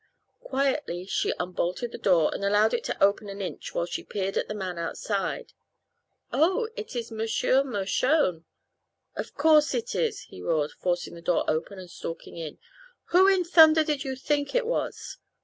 Quietly she unbolted the door and allowed it to open an inch while she peered at the man outside. "Oh! it is Monsieur Mershone." "Of course it is," he roared, forcing the door open and stalking in. "Who in thunder did you think it was?"